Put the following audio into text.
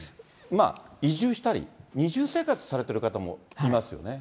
移住したり、二重生活をされてる方もいますよね。